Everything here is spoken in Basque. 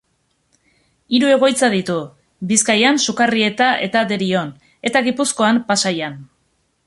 Hiru egoitza ditu: Bizkaian Sukarrieta eta Derion eta Gipuzkoan Pasaian.